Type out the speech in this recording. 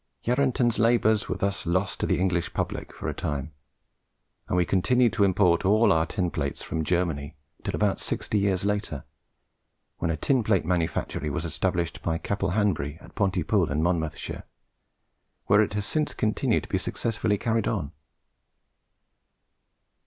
Yarranton's labours were thus lost to the English public for a time; and we continued to import all our tin plates from Germany until about sixty years later, when a tin plate manufactory was established by Capel Hanbury at Pontypool in Monmouthshire, where it has since continued to be successfully carried on.